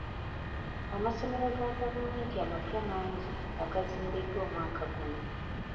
Amasomero ga gavumenti amapya mangi agazimbiddwa omwaka guno.